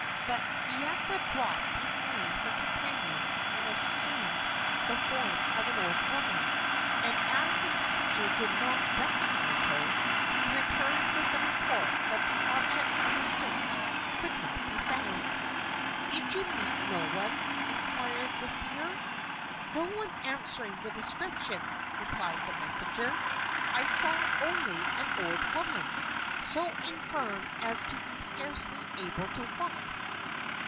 But Hiiaka dropped behind her companions and assumed the form of an old woman, and, as the messenger did not recognize her, he returned with the report that the object of his search could not be found. "Did you meet no one?" inquired the seer. "No one answering the description," replied the messenger. "I saw only an old woman, so infirm as to be scarcely able to walk."